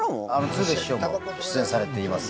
鶴瓶師匠も出演されています